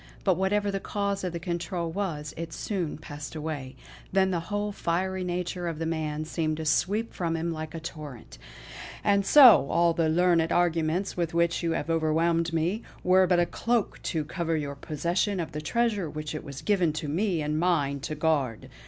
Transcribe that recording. But whatever the cause of the control was, it soon passed away; then the whole fiery nature of the man seemed to sweep from him like a torrent: "And so all the learned arguments with which you have overwhelmed me, were but a cloak to cover your possession of the treasure which it was given to me and mine to guard.